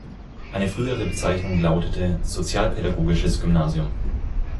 Eine frühere Bezeichnung lautete "Sozialpädagogisches Gymnasium.